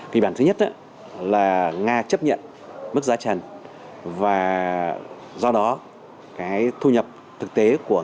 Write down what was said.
kỳ bản thứ nhất là nga chấp nhận mức giá trần và do đó cái thu nhập thực tế của